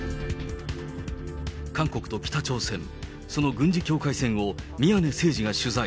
韓国と北朝鮮、その軍事境界線を宮根誠司が取材。